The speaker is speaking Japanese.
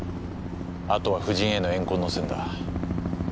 あとは夫人への怨恨の線だ。